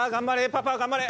パパ頑張れ！